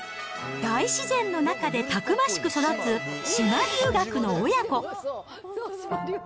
大自然の中でたくましく育つ島留学の親子。